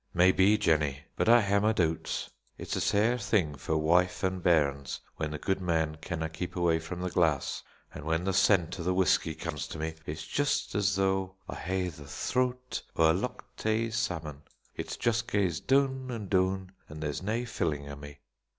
"Maybe, Jennie! But I hae my doots. It's a sair thing for wife an' bairns when the guid man canna keep awa' frae the glass; an' when the scent of the whusky comes to me it's just as though I hae'd the throat o' a Loch Tay salmon; it just gaes doon an' doon, an' there's nae filling o' me."